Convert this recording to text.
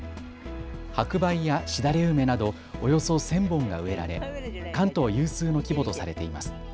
白梅やしだれ梅などおよそ１０００本が植えられ関東有数の規模とされています。